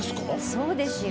そうですよ。